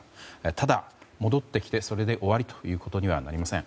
ただ、戻ってきて、それで終わりということにはなりません。